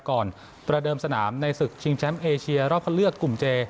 ประเดิมสนามในศึกชิงแชมป์เอเชียรอบคันเลือกกลุ่มเจ